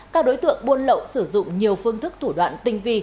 các đối tượng buôn lậu sử dụng nhiều phương thức thủ đoạn tinh vi